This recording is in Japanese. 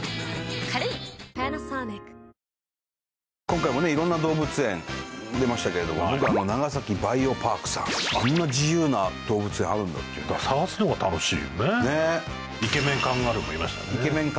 今回もね色んな動物園出ましたけれども僕は長崎バイオパークさんあんな自由な動物園あるんだって探すのが楽しいよねイケメン